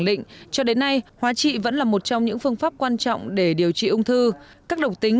định cho đến nay hóa trị vẫn là một trong những phương pháp quan trọng để điều trị ung thư các độc tính